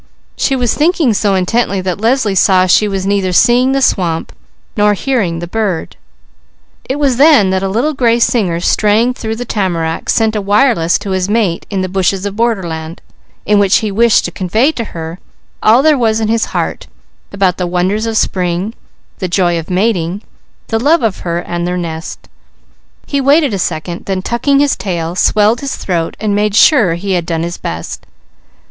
She was thinking so intently that Leslie saw she was neither seeing the swamp, nor hearing the birds. It was then that a little gray singer straying through the tamaracks sent a wireless to his mate in the bushes of borderland, in which he wished to convey to her all there was in his heart about the wonders of spring, the joy of mating, the love of her, and their nest. He waited a second, then tucking his tail, swelled his throat, and made sure he had done his best.